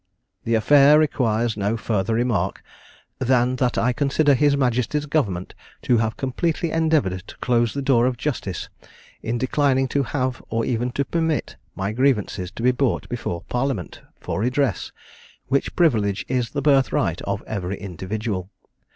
The affair requires no further remark, than that I consider his majesty's government to have completely endeavoured to close the door of justice, in declining to have, or even to permit, my grievances to be brought before parliament, for redress, which privilege is the birthright of every individual.